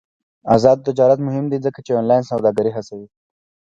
آزاد تجارت مهم دی ځکه چې آنلاین سوداګري هڅوي.